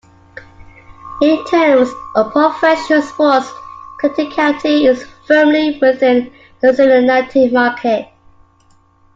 In terms of professional sports, Clinton County is firmly within the Cincinnati market.